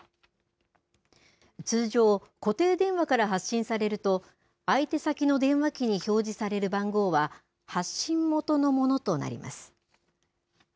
通常、固定電話から発信されると相手先の電話機に表示される番号は発信元のものとなります。